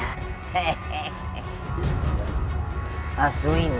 kita bisa menyusup ke pejajarannya